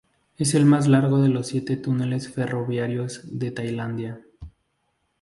Es el más largo de los siete túneles ferroviarios de Tailandia.